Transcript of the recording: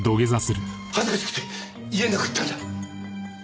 恥ずかしくて言えなかったんだ！